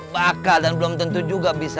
bakal dan belum tentu juga bisa